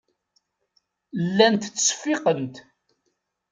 Llant ttseffiqent.